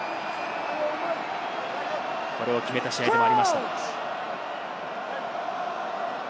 これを決めた試合でもありました。